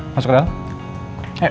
masuk ke dalam